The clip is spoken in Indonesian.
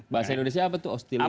bahasa indonesia apa tuh ostilin